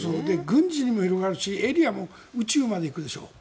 軍事にも広がるしエリアも宇宙まで行くでしょ。